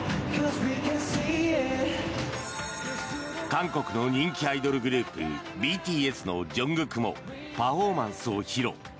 韓国の人気アイドルグループＢＴＳのＪＵＮＧＫＯＯＫもパフォーマンスを披露。